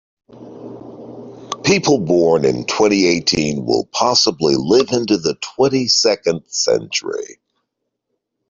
People born in twenty-eighteen will possibly live into the twenty-second century.